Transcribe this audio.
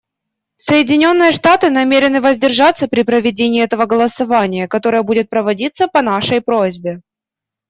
Соединенные Штаты намерены воздержаться при проведении этого голосования, которое будет проводиться по нашей просьбе.